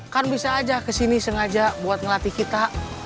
kan bisa aja kesini sengaja buat ngelatih kita